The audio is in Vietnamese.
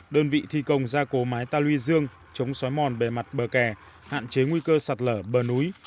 đơn vị thi công gia cố mái ta luy dương chống xói mòn bề mặt bờ kè hạn chế nguy cơ sạt lở bờ núi